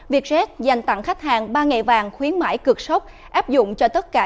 vietjet dành tặng khách hàng ba ngày vàng khuyến mãi cực sốc áp dụng cho tất cả